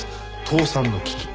倒産の危機。